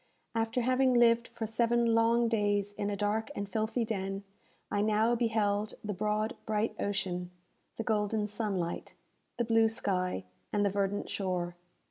After having lived for seven long days in a dark and filthy den, I now beheld the broad bright ocean, the golden sunlight, the blue sky, and the verdant shore!